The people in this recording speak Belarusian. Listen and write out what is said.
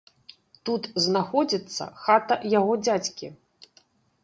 Тут знаходзіцца хата яго дзядзькі.